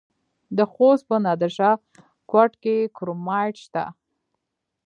د خوست په نادر شاه کوټ کې کرومایټ شته.